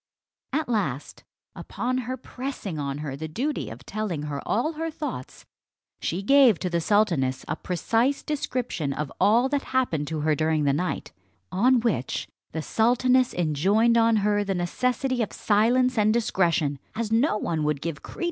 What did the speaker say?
At last, upon her pressing on her the duty of telling her all her thoughts, she gave to the sultaness a precise description of all that happened to her during the night; on which the sultaness enjoined on her the necessity of silence and discretion, as no one would give credence to so strange a tale.